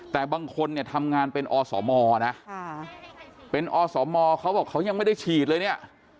แต่บางคนเนี่ยทำงานเป็นอสมนะเป็นอสมเขาบอกเขายังไม่ได้ฉีดเลยเนี่ย